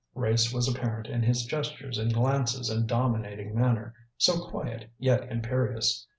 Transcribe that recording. Race was apparent in his gestures and glances and dominating manner, so quiet yet imperious.